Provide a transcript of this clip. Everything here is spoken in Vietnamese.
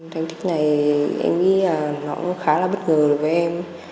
thành tích này em nghĩ là nó khá là bất ngờ với em